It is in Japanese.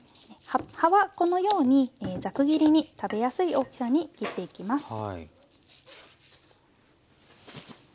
葉はこのようにザク切りに食べやすい大きさに切っていきます。